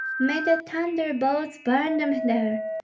"May the thunderbolts burn them there!